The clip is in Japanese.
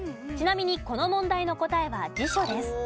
ちなみにこの問題の答えは辞書です。